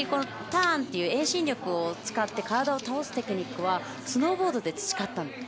ターンという遠心力を使って体を倒すテクニックはスノーボードで培ったと。